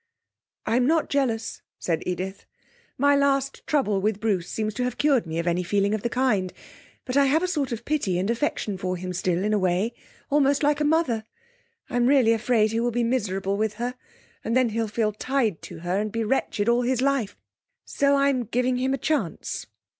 'I'm not jealous,' said Edith. 'My last trouble with Bruce seems to have cured me of any feeling of the kind. But I have a sort of pity and affection for him still in a way almost like a mother! I'm really afraid he will be miserable with her, and then he'll feel tied to her and be wretched all his life. So I'm giving him a chance.'